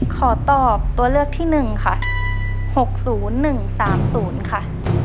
ขอตอบตัวเลือกที่๑ค่ะ๖๐๑๓๐ค่ะ